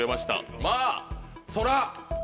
まぁそら。